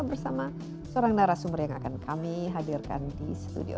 bersama seorang narasumber yang akan kami hadirkan di studio